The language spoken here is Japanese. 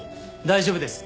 大丈夫です。